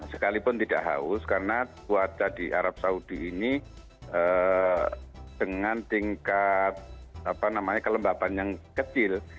sekalipun tidak haus karena cuaca di arab saudi ini dengan tingkat kelembaban yang kecil